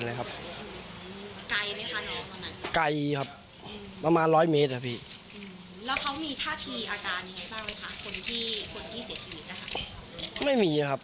แล้วก็เห็นตีเลยครับ